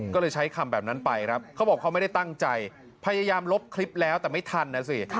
ก็เลยใช้คำแบบนั้นไปครับเขาบอกเขาไม่ได้ตั้งใจพยายามลบคลิปแล้วแต่ไม่ทันนะสิ